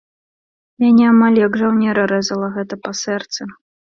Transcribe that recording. Мяне амаль як жаўнера рэзала гэта па сэрцы.